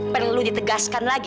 perlu ditegaskan lagi